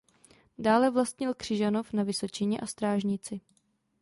Dále vlastnil Křižanov na Vysočině a Strážnici.